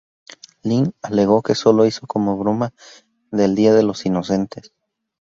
Lin alegó que solo lo hizo como broma del día de los Inocentes.